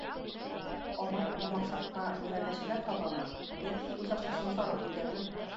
Алар бу максатка иганәчеләр табамы яки үз акчасын сарыф итәме?